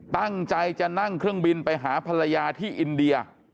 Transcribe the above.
ตั้งใจจะนั่งเครื่องบินไปหาภรรยาที่อินเดีย